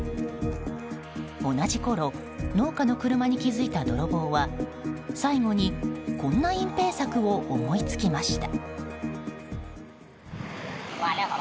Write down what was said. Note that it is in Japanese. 同じころ農家の車に気づいた泥棒は最後にこんな隠ぺい策を思いつきました。